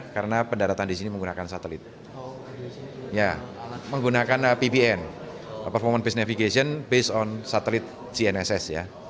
karena pendaratan di sini menggunakan satelit menggunakan pbn performance based navigation based on satellite gns